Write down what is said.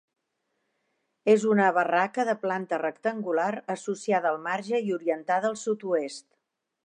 És una barraca de planta rectangular, associada al marge i orientada al sud-oest.